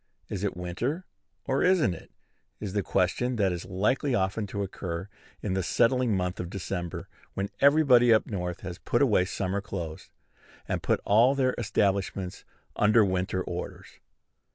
"Is it winter, or isn't it?" is the question that is likely often to occur in the settling month of December, when everybody up North has put away summer clothes, and put all their establishments under winter orders.